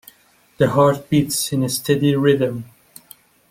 The heart beats in a steady rhythm.